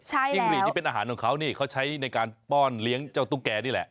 จิ้งหลีดนี่เป็นอาหารของเขานี่เขาใช้ในการป้อนเลี้ยงเจ้าตุ๊กแก่นี่แหละ